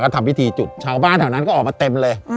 ทำพิธีจุดชาวบ้านแถวนั้นก็ออกมาเต็มเลย